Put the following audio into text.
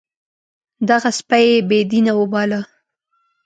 دغه سپی یې بې دینه وباله.